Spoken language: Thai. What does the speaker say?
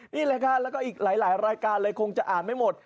นี่แหละครับแล้วก็อีกหลายรายการเลยคงจะอ่านไม่หมด